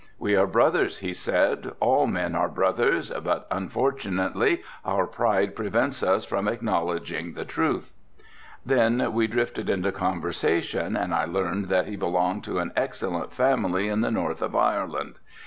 "We are brothers," he said, "all men are brothers but unfortunately our pride prevents us from acknowledging the truth." Then we drifted into conversation and I learned that he belonged to an excellent family in the north of Ireland.